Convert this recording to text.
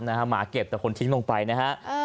หมาเก็บแต่คนทิ้งลงไปนะฮะ